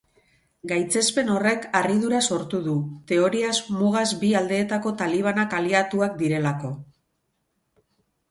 Gaitzespen horrek harridura sortu du, teoriaz mugaz bi aldeetako talibanak aliatuak direlako.